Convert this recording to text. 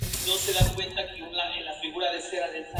Ronald Searle apareció en un cameo visitando a un pariente.